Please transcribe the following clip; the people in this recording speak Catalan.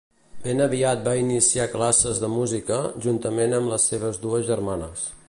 Ben aviat va iniciar classes de música, juntament amb les seves dues germanes.